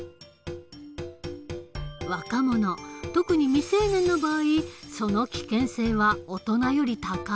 若者特に未成年の場合その危険性は大人より高い。